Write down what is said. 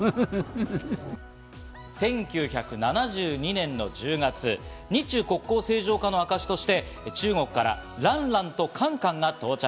１９７２年の１０月、日中国交正常化の証しとして、中国からランランとカンカンが到着。